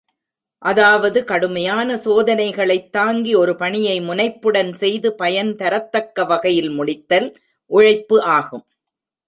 அதாவது கடுமையான சோதனைகளைத் தாங்கி ஒரு பணியை முனைப்புடன் செய்து பயன் தரத்தக்க வகையில் முடித்தல் உழைப்பு ஆகும்.